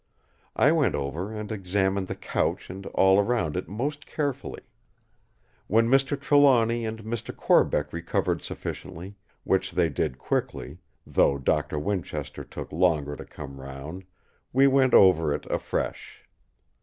I went over and examined the couch and all around it most carefully. When Mr. Trelawny and Mr. Corbeck recovered sufficiently, which they did quickly, though Doctor Winchester took longer to come round, we went over it afresh.